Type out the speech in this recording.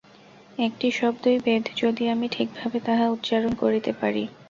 একটি শব্দই বেদ, যদি আমি ঠিকভাবে তাহা উচ্চারণ করিতে পারি।